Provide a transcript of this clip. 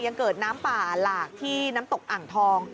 ยังเกิดน้ำป่าหลากที่น้ำตกอ่างทอง